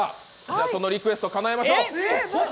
そのリクエストかなえましょう。